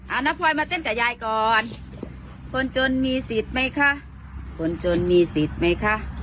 เอาน้าพลอยมาเต้นกับยายก่อนคนจนมีสิทธิ์ไหมคะคนจนมีสิทธิ์ไหมคะ